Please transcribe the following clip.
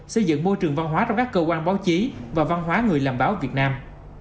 xây dựng môi trường văn hóa trong các cơ quan báo chí và văn hóa người làm báo việt nam